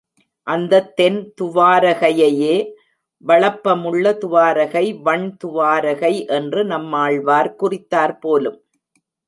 அந்தத் தென் துவாரகையையே வளப்பமுள்ள துவாரகை வண் துவாரகை என்று நம்மாழ்வார் குறித்தார் போலும்.